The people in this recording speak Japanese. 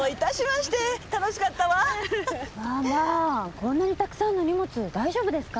こんなにたくさんの荷物大丈夫ですか？